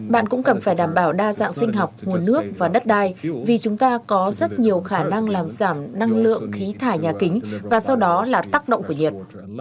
bạn cũng cần phải đảm bảo đa dạng sinh học nguồn nước và đất đai vì chúng ta có rất nhiều khả năng làm giảm năng lượng khí thải nhà kính và sau đó là tác động của nhiệt